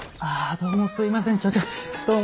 どうもすいません。